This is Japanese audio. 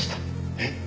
えっ？